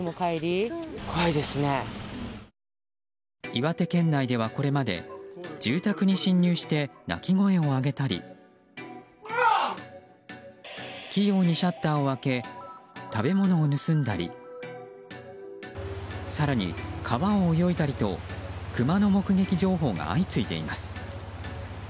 岩手県内ではこれまで住宅に侵入して鳴き声を上げたり器用にシャッターを開け食べ物を盗んだり更に、川を泳いだりとクマの目撃情報が相次いでいます。